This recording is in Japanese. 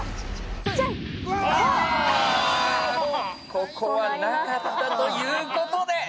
ここはなかったということで。